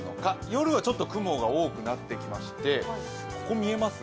夜はちょっと雲が多くなってきまして、ここ見えます？